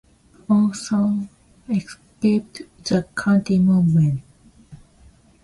Auxonne escaped the county movement.